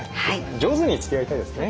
上手につきあいたいですね。